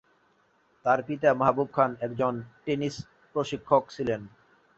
তার পিতা মাহবুব খান একজন টেনিস প্রশিক্ষক ছিলেন।